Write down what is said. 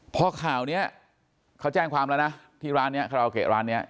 พอข่าวเนี่ยเขาแจ้งความแล้วนะที่ร้านเนี่ยร้านเนี่ย